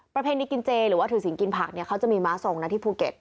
ประเพณีกินเจหรือว่าถือศีลกินผักเนี่ยเขาจะมีม้าทรงนะที่ภูเก็ต